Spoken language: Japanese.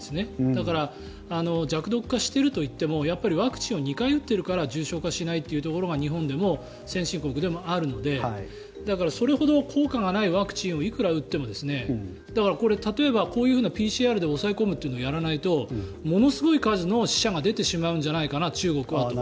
だから弱毒化しているといってもワクチンを２回打っているから重症化しないというところが日本でも先進国でもあるのでだからそれほど効果がないワクチンをいくら打ってもこれ、例えばこういうＰＣＲで抑え込むということをやらないとものすごい数の死者が出てしまうんじゃないか中国はと。